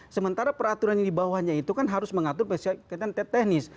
sementara peraturan yang dibawahnya itu kan harus mengatur pada sifat teknis